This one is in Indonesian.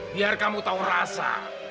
biar kamu tahu rasa